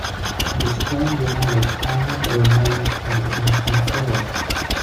The stone wall is all the remains from the ancient city.